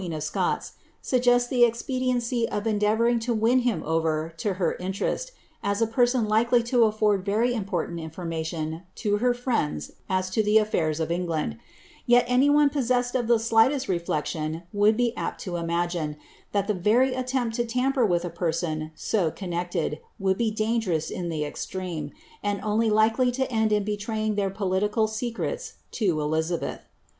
en of Seols, «uggesl tlie expediency of endeavouring to win him over ' lier iiitetesi, aa a person likely to afford very important information > her frieiiils as to the aliiiirs of England, Yel any one poBsesscil of ihe slightest reflection would be apt to imagine, that the very attempt to utmper with a person so connected, would be dangerous in the exiremai and otily likely to end in betraying their political secrets to Elisabeth.